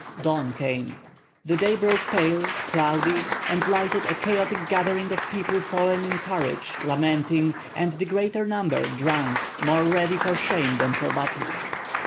Dawn came. The day broke pale, cloudy, and lighted a chaotic gathering of people fallen in courage, lamenting, and the greater number drunk, more ready for shame than for battle.